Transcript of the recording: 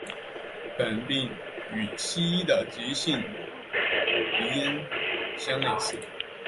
本病与西医的急性鼻炎相类似。